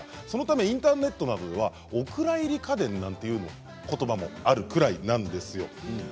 そのためインターネットなどではお蔵入り家電なんていうことばもあるくらいなんですよ。